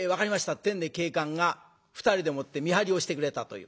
ってんで警官が２人でもって見張りをしてくれたという。